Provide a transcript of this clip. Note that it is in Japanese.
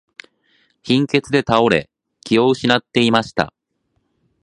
貧血で倒れ、気を失っていました。